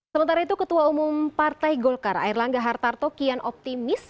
sementara itu ketua umum partai golkar air langga hartarto kian optimis